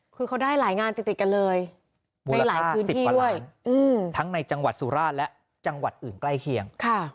คือเขาได้หลายงานติดกันเลยมูลค่า๑๐พันล้านทั้งในจังหวัดสุราชและยังไกลเคียง